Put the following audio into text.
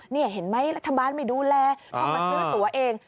นี่เห็นไหมรัฐบาลไม่ดูแลเข้ามาช่วยตัวเอง